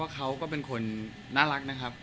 ครอบครัวมีน้องเลยก็คงจะอยู่บ้านแล้วก็เลี้ยงลูกให้ดีที่สุดค่ะ